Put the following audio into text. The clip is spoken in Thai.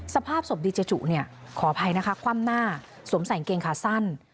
สภาพศพดีเจจุเนี่ยขออภัยนะคะคว่ำหน้าสวมใส่กางเกงขาสั้น